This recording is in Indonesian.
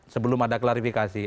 sebelum ada klarifikasi